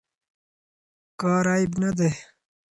کار عیب نه دی.